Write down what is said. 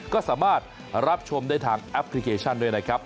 ก็สามารถรับชมได้ทางแอปพลิเคชันด้วยนะครับ